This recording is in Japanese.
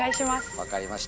分かりました。